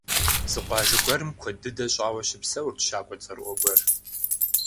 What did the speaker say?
Зы къуажэ гуэрым куэд дыдэ щӀауэ щыпсэурт щакӀуэ цӀэрыӀуэ гуэр.